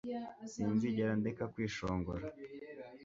sinzigera ndeka kwishongora